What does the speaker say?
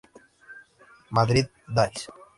Madrid Days".